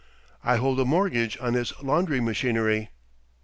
I hold a mortgage on his laundry machinery."